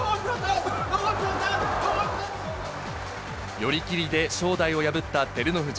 寄り切りで正代を破った照ノ富士。